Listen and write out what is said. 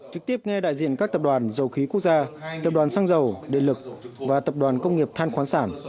trực tiếp nghe đại diện các tập đoàn dầu khí quốc gia tập đoàn xăng dầu điện lực và tập đoàn công nghiệp than khoáng sản